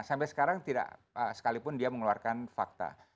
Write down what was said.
sampai sekarang tidak sekalipun dia mengeluarkan fakta